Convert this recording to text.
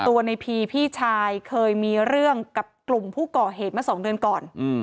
ตัวในพีพี่ชายเคยมีเรื่องกับกลุ่มผู้ก่อเหตุมาสองเดือนก่อน